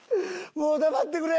もう黙ってくれ！